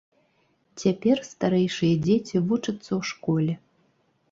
Цяпер старэйшыя дзеці вучацца ў школе.